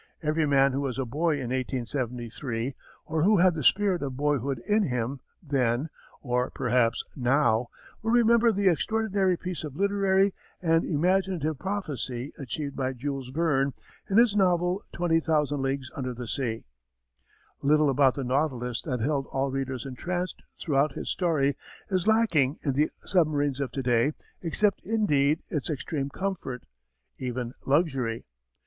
Every man who was a boy in 1873, or who had the spirit of boyhood in him then, or perhaps now, will remember the extraordinary piece of literary and imaginative prophecy achieved by Jules Verne in his novel Twenty Thousand Leagues Under the Sea. Little about the Nautilus that held all readers entranced throughout his story is lacking in the submarines of to day except indeed its extreme comfort, even luxury.